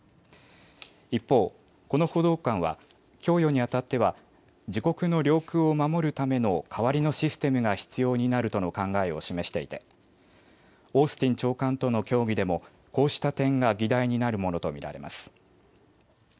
一方、この報道官は供与にあたっては自国の領空を守るための代わりのシステムが必要になるとの考えを示していてオースティン長官との協議でもこうした点が議題になるものと見られます。